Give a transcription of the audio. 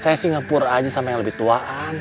saya singapura saja dengan orang tua